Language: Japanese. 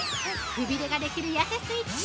くびれができるやせスイッチ